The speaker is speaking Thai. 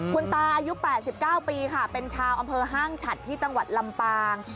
คุณตาอายุ๘๙ปีค่ะเป็นชาวอำเภอห้างฉัดที่จังหวัดลำปาง